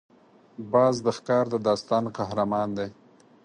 باز د ښکار د داستان قهرمان دی